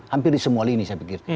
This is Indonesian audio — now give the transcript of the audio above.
hampir di semua lini saya pikir